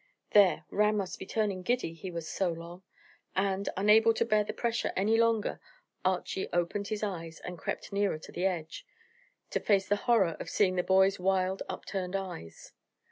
There! Ram must be turning giddy, he was so long; and, unable to bear the pressure longer, Archy opened his eyes and crept nearer to the edge, to face the horror of seeing the boy's wild upturned eyes.